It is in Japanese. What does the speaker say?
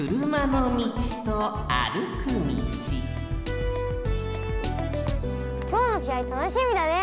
たとえばきょうのしあいたのしみだね！